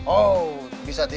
oh bisa tidak